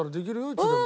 いつでも。